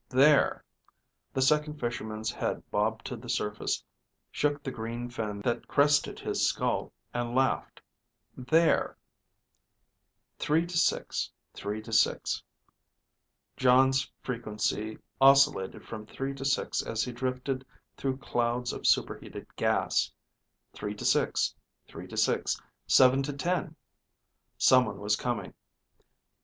(There....) The Second Fisherman's head bobbed to the surface, shook the green fin that crested his skull, and laughed. (There....) 3 to 6, 3 to 6, (Jon's frequency oscillated from 3 to 6 as he drifted through clouds of super heated gas) 3 to 6, 3 to 6 7 to 10! (Someone was coming.)